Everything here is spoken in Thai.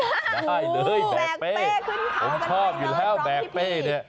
ได้เลยแบกเป้ผมเข้าอยู่แล้วแบกเป้